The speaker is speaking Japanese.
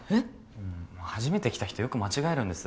うんうん初めて来た人よく間違えるんです。